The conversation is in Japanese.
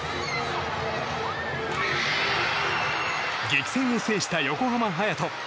激戦を制した横浜隼人。